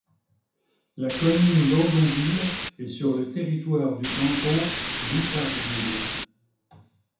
La commune d'Andonville est sur le territoire du canton d'Outarville.